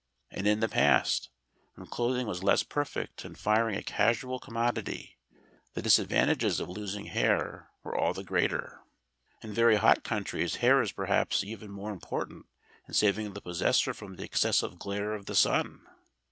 And in the past, when clothing was less perfect and firing a casual commodity, the disadvantages of losing hair were all the greater. In very hot countries hair is perhaps even more important in saving the possessor from the excessive glare of the sun.